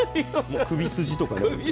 首筋とかね。